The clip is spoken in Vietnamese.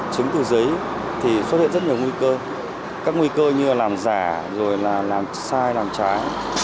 chứng từ giấy thì xuất hiện rất nhiều nguy cơ các nguy cơ như làm giả rồi là làm sai làm trái